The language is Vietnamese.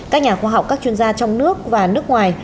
các nhà khoa học các chuyên gia trong nước và nước ngoài